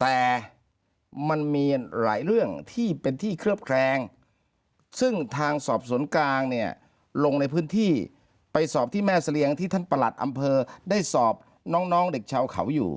แต่มันมีหลายเรื่องที่เป็นที่เคลือบแคลงซึ่งทางสอบสวนกลางเนี่ยลงในพื้นที่ไปสอบที่แม่เสลียงที่ท่านประหลัดอำเภอได้สอบน้องเด็กชาวเขาอยู่